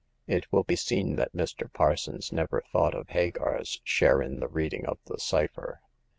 It will be seen that Mr. Parsons never thought of Hagar's share in the reading of the cypher.